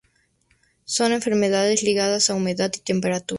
Son enfermedades ligadas a humedad y temperatura.